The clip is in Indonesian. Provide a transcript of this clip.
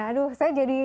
aduh saya jadi